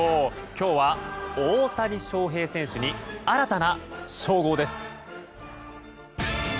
今日は大谷翔平選手に新たな称号です。